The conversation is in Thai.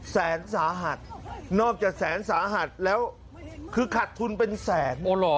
แสนสาหัสนอกจากแสนสาหัสแล้วคือขัดทุนเป็นแสน